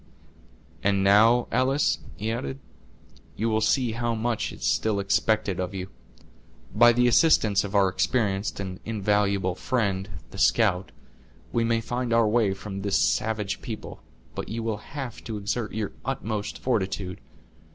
"And now, Alice," he added, "you will see how much is still expected of you. By the assistance of our experienced and invaluable friend, the scout, we may find our way from this savage people, but you will have to exert your utmost fortitude.